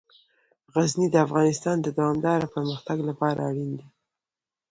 غزني د افغانستان د دوامداره پرمختګ لپاره اړین دي.